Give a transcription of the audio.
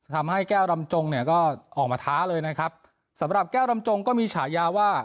ทำให้แก้วรำจงเนี่ยก็ออกมาท้าเลยนะครับสำหรับแก้วรำจงก็มีฉายาว่า